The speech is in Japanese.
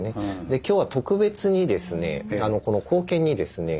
で今日は特別にですねこの硬券にですね